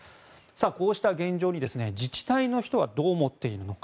こうした現状に、自治体の人はどう思っているのか。